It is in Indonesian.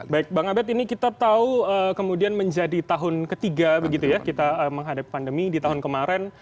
baik bang abed ini kita tahu kemudian menjadi tahun ketiga begitu ya kita menghadapi pandemi di tahun kemarin